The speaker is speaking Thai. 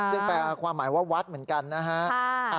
ซึ่งแปลความหมายว่าวัดเหมือนกันนะฮะ